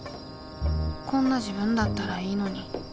こんな自分だったらいいのに。